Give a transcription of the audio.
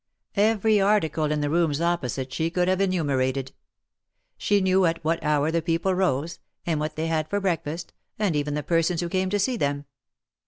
Every article in the rooms opposite she could have enumerated. She knew at what hour the people rose, and what they had for breakfast, and even the persons who came to see them.